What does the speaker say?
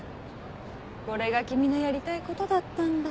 これが君のやりたいことだったんだ。